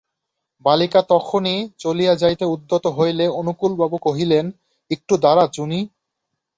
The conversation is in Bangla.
বালিকা তখনি চলিয়া যাইতে উদ্যত হইলে অনুকূলবাবু কহিলেন, একটু দাঁড়া চুনি।